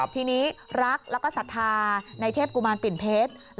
ทีนี้รักแล้วก็ศรัทธาในเทพกุมารปิ่นเพชร